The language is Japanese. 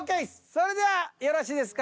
それではよろしいですか。